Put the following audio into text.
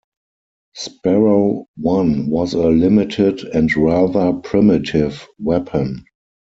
Sparrow One was a limited and rather primitive weapon.